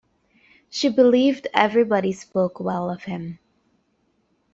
She believed everybody spoke well of him.